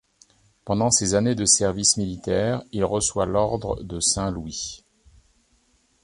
Pendant ses années de service militaire, il reçoit l'ordre de Saint-Louis.